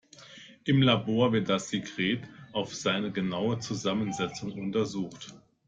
Im Labor wird das Sekret auf seine genaue Zusammensetzung untersucht.